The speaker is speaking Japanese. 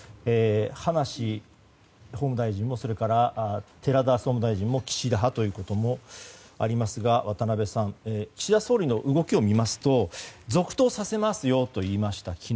葉梨法務大臣もそれから、寺田総務大臣も岸田派ということもありますが渡辺さん岸田総理の動きを見ますと続投させますよと昨日、言いました。